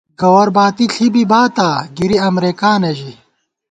گوَر باتی ݪی بی باتا ، گِری امرېکانہ ژی